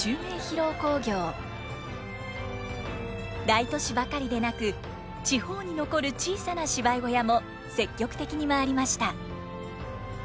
大都市ばかりでなく地方に残る小さな芝居小屋も積極的に回りました。